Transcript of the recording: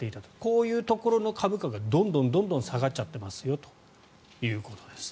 こういうところの株価がどんどん下がっちゃってますよというところです。